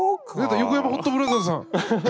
横山ホットブラザーズさん！